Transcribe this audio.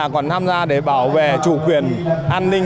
còn tham gia để bảo vệ chủ quyền an ninh